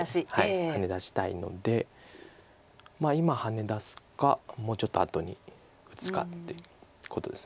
ハネ出したいので今ハネ出すかもうちょっと後に打つかっていうことです。